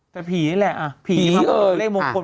แต่ผีนี่แหละของเหลกมุมคน